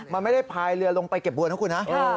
มันไม่ได้พายเรือลงไปเก็บบัวนะคุณนะ